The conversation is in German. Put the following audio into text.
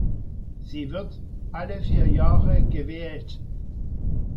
Sie wird alle vier Jahre gewählt.